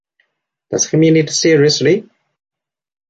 Does he mean it seriously?